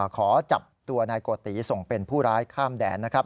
ขอจับตัวนายโกติส่งเป็นผู้ร้ายข้ามแดนนะครับ